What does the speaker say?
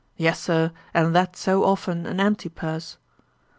'Yes, Sir, and that so often an empty purse!'